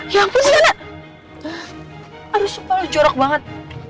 ya ampun sianang aduh sumpah lo jorok banget